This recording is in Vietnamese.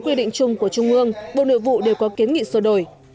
quy định chung của trung ương bộ nội vụ đều có kiến nghị sửa đổi